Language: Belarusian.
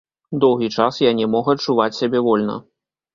Доўгі час я не мог адчуваць сябе вольна.